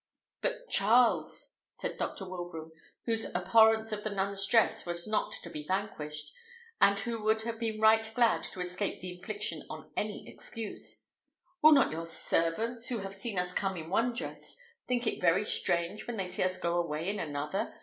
"But, Charles," said Dr. Wilbraham, whose abhorrence of the nun's dress was not to be vanquished, and who would have been right glad to escape the infliction on any excuse, "will not your servants, who have seen us come in one dress, think it very strange when they see us go away in another?